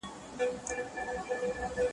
منت واخله، ولي منت مکوه `